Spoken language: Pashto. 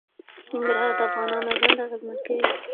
ننګرهار د افغانانو ژوند اغېزمن کوي.